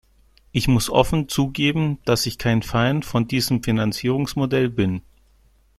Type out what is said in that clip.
Ich muss offen zugeben, dass ich kein Fan von diesem Finanzierungsmodell bin.